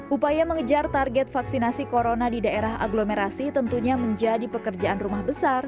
upaya mengejar target vaksinasi corona di daerah agglomerasi tentunya menjadi pekerjaan rumah besar